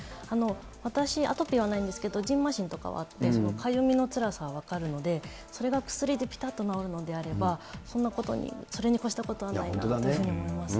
私、アトピーはないんですけど、じんましんとかはあって、かゆみのつらさは分かるので、それが薬でぴたっと治るのであれば、そんなことに、それに越したことはないなと思いますね。